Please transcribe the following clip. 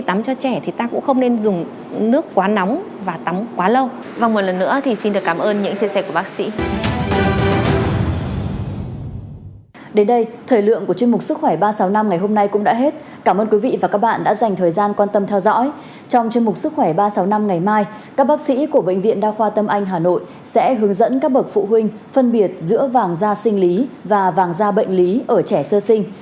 trên mục sức khỏe ba trăm sáu mươi năm ngày mai các bác sĩ của bệnh viện đa khoa tâm anh hà nội sẽ hướng dẫn các bậc phụ huynh phân biệt giữa vàng da sinh lý và vàng da bệnh lý ở trẻ sơ sinh